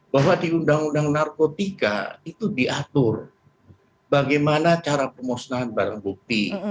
bahwa di undang undang narkotika itu diatur bagaimana cara pemusnahan barang bukti